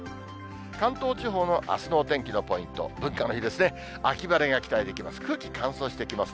関東地方のあすのお天気のポイント、文化の日ですね、秋晴れが期待できます。